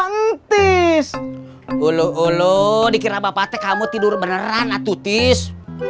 santis ulu ulu dikira bapak teh kamu tidur beneran atutis